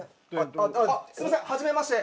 すみませんはじめまして！